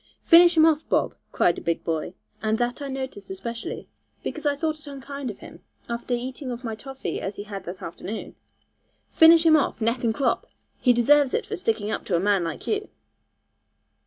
'Finish him off, Bob,' cried a big boy, and that I noticed especially, because I thought it unkind of him, after eating of my toffee as he had that afternoon; 'finish him off, neck and crop; he deserves it for sticking up to a man like you.'